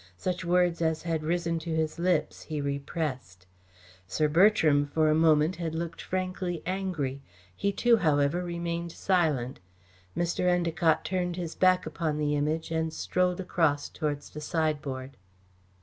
Such words as had risen to his lips he repressed. Sir Bertram for a moment had looked frankly angry. He too, however, remained silent. Mr. Endacott turned his back upon the Image and strolled across towards the side board.